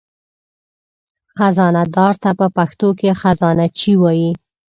خزانهدار ته په پښتو کې خزانهچي وایي.